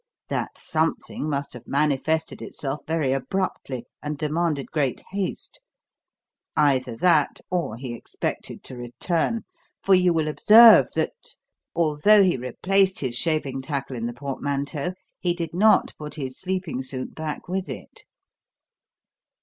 That 'something' must have manifested itself very abruptly, and demanded great haste either that, or he expected to return; for you will observe that, although he replaced his shaving tackle in the portmanteau, he did not put his sleeping suit back with it.